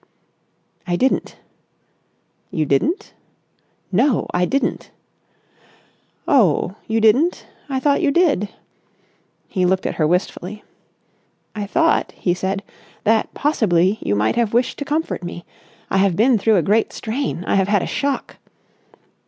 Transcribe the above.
"I didn't." "You didn't?" "No, I didn't." "Oh, you didn't? I thought you did!" He looked at her wistfully. "I thought," he said, "that possibly you might have wished to comfort me. I have been through a great strain. I have had a shock...."